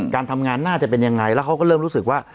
การทำงานน่าจะเป็นยังไงแล้วเขาก็เริ่มรู้สึกว่า